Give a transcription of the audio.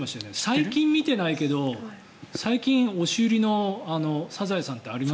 最近、見てないけど最近、押し売りの「サザエさん」ってあります？